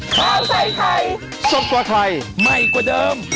สวัสดีครับทุกคน